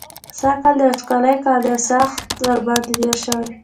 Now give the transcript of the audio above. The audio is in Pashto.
سږکال د وچکالۍ کال دی او سخت ورباندې تېر شوی.